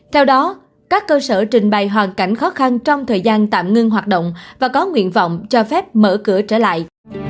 theo đó các cơ sở trình bày hoàn cảnh khó khăn trong thời gian tạm ngưng hoạt động và có nguyện vọng cho phép mở cửa trở lại